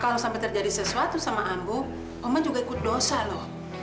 kalau sampai terjadi sesuatu sama ambu oman juga ikut dosa loh